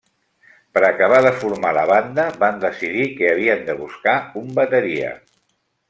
Per a acabar de formar la banda, van decidir que havien de buscar un bateria.